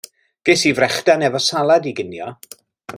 Ges i frechdan efo salad i ginio.